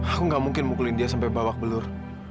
aku nggak mungkin mukulin dia sampai bawak belur